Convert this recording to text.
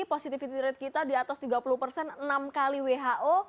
positivity rate kita di atas tiga puluh persen enam kali who